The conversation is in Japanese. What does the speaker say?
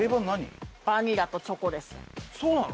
そうなの？